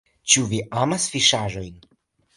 Ĉu vi amas fiŝaĵon?